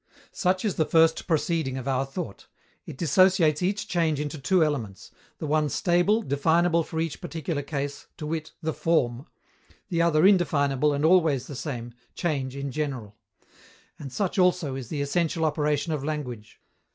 Such is the first proceeding of our thought: it dissociates each change into two elements the one stable, definable for each particular case, to wit, the Form; the other indefinable and always the same, Change in general. And such, also, is the essential operation of language.